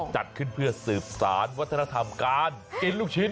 จัดขึ้นเพื่อสืบสารวัฒนธรรมการกินลูกชิ้น